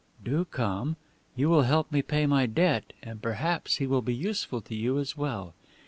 "Do come. You will help me pay my debt and perhaps he will be useful to you as well.